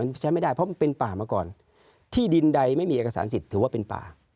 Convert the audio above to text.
มันใช้ไม่ได้เพราะมันเป็นป่ามาก่อนที่ดินใดไม่มีเอกสารสิทธิ์ถือว่าเป็นป่า